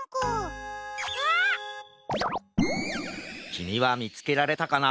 きみはみつけられたかな？